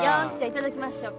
いただきます。